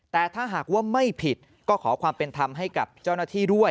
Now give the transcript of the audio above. แต่ถ้าหากว่าไม่ผิดก็ขอความเป็นธรรมให้กับเจ้าหน้าที่ด้วย